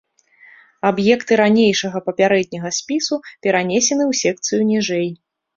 Аб'екты ранейшага папярэдняга спісу перанесены ў секцыю ніжэй.